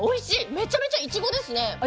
めちゃめちゃいちごですね。